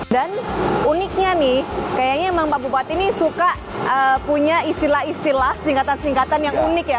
dan uniknya nih kayaknya memang pak bupat ini suka punya istilah istilah singkatan singkatan yang unik ya